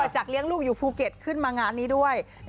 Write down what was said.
จากเลี้ยงลูกอยู่ภูเก็ตขึ้นมางานนี้ด้วย